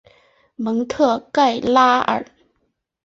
蒙特盖拉尔。